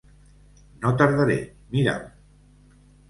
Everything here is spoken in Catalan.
No tardaré. Mira'l!